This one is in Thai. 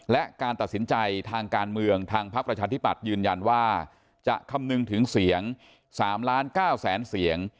และการตัดสินใจทางการเมืองทางพักประชาธิปัตย์ยืนยันว่าจะคำนึงถึงเสียง๓ล้าน๙แสนเสียง